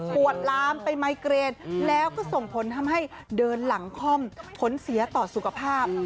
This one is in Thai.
ปวดล้ามไปไมเกรนแล้วก็ส่งผลทำให้เดินหลังคล่อมผลเสียต่อสุขภาพ